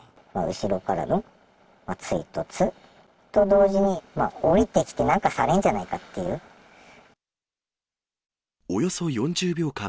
後ろからの追突と同時に、降りてきてなんかされんじゃないかっておよそ４０秒間、